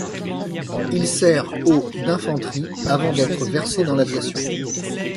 Il sert au d'infanterie avant d'être versé dans l'aviation.